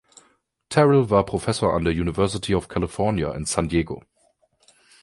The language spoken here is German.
Terrell war Professor an der University of California in San Diego.